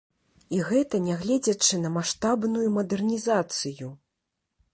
І гэта нягледзячы на маштабную мадэрнізацыю!